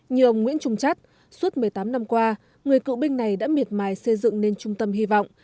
như ông nguyễn trung chất suốt một mươi tám năm qua người cựu binh này đã miệt mài xây dựng nên trung tâm hy vọng